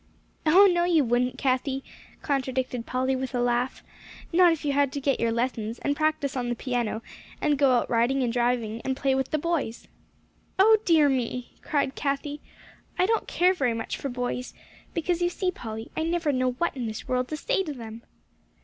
"Oh, no, you wouldn't, Cathie," contradicted Polly, with a laugh; "not if you had to get your lessons, and practise on the piano, and go out riding and driving, and play with the boys." "Oh dear me!" cried Cathie, "I don't care very much for boys, because, you see, Polly, I never know what in this world to say to them."